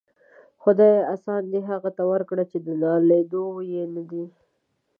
خداىه! آسان دي هغو ته ورکړي چې د ناليدو يې ندې.